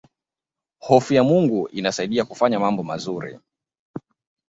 hofu ya mungu inasaidia kufanya mambo mazuri